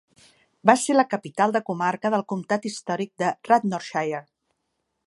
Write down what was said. Va ser la capital de comarca del comtat històric de Radnorshire.